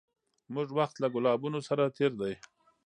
موږه وخت له ګلابونو سره تېر دی